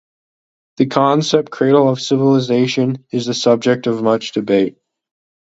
The concept "cradle of civilization" is the subject of much debate.